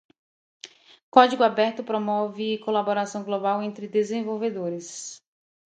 Código aberto promove colaboração global entre desenvolvedores.